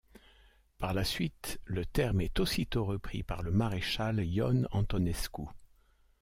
Par la suite, le terme est aussitôt repris par le maréchal Ion Antonescu.